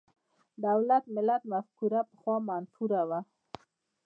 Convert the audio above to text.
د دولت–ملت مفکوره پخوا منفوره وه.